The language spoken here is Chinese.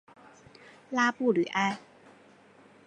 拉布吕埃。